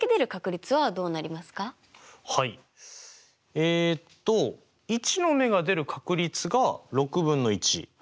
えっと１の目が出る確率が６分の１。